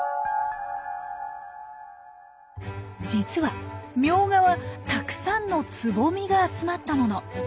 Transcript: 実はミョウガはたくさんのつぼみが集まったもの。